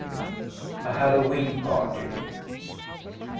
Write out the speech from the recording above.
A HALLOWE'EN PARTY.